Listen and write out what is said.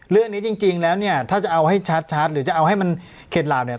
เรื่องนี้จริงแล้วเนี่ยถ้าจะเอาให้ชัดหรือจะเอาให้มันเข็ดหลาบเนี่ย